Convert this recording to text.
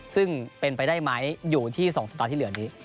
ซึ่งเป็นไปได้ไหมอยู่ที่๒สตาร์ทที่เหลือนี้